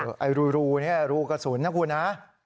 ไอรูกระสุนนะคุณนะ